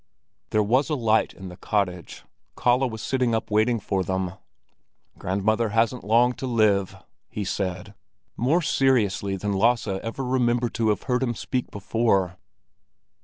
There was a light in the cottage. Kalle was sitting up waiting for them. "Grandmother hasn't long to live," he said, more seriously than Lasse ever remembered to have heard him speak before.